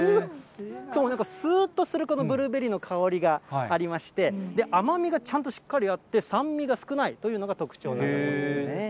なんか、すっとする、このブルーベリーの香りがありまして、甘みがちゃんとしっかりあって、酸味が少ないというのが特徴なんだそうですね。